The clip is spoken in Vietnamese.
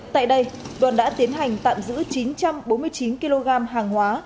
tại đây đoàn đã tiến hành tạm giữ chín trăm bốn mươi chín kg hàng hóa